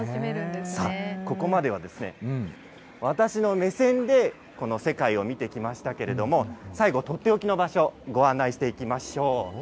さあ、ここまでは、私の目線で、この世界を見てきましたけれども、最後、取って置きの場所、ご案内していきましょう。